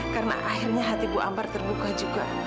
karena akhirnya hatiku ambar terbuka juga